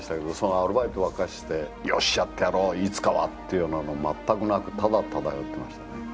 アルバイトばっかりして「よしやってやろういつかは」っていうようなの全くなくただただやってましたね。